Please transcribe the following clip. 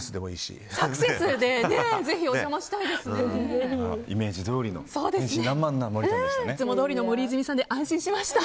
いつもどおりの森泉さんで安心しました。